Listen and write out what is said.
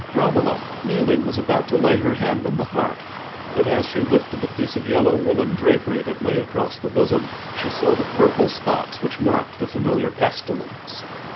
Romola, kneeling, was about to lay her hand on the heart; but as she lifted the piece of yellow woollen drapery that lay across the bosom, she saw the purple spots which marked the familiar pestilence.